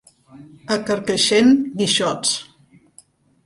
A Carcaixent, guixots.